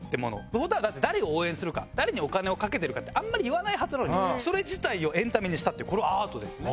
ホントは誰を応援するか誰にお金をかけてるかってあんまり言わないはずなのにそれ自体をエンタメにしたってこれはアートですね。